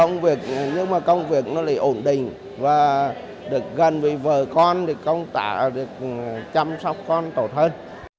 nhưng mà công việc nó lại ổn định và được gần với vợ con được chăm sóc con tốt hơn